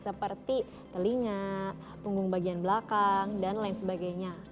seperti telinga punggung bagian belakang dan lain sebagainya